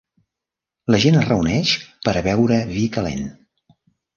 La gent es reuneix per a beure vi calent.